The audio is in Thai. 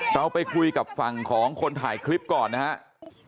เราไปคุยกับฝั่งของคนถ่ายคลิปก่อนนะครับ